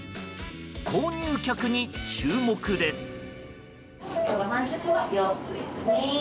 購入客に注目です。